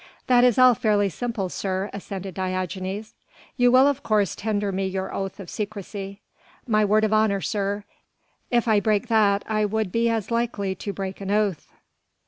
"That is all fairly simple, sir," assented Diogenes. "You will of course tender me your oath of secrecy." "My word of honour, sir. If I break that I would be as likely to break an oath."